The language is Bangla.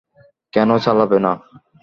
কেন চালাবে না?